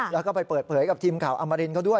แล้วก็ไปเปิดเผยกับทีมข่าวอมรินเขาด้วย